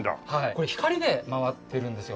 これ光で回ってるんですよ。